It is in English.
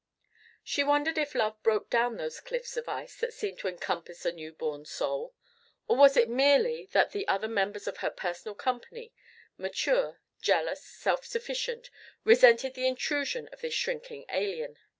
She wondered if love broke down those cliffs of ice that seemed to encompass a new born soul. Or was it merely that the other members of her personal company, mature, jealous, self sufficient, resented the intrusion of this shrinking alien?